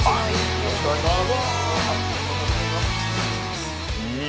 よろしくお願いします。